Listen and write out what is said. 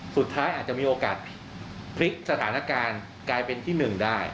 สุดท้ายอาจจะมีโอกาสพลิกสถานการณ์กลายเป็นที่หนึ่งได้